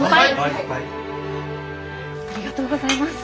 ありがとうございます。